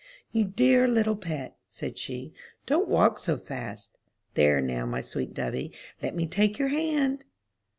"You dear little pet," said she, "don't walk so fast. There, now, my sweet dovey, let me take your hand."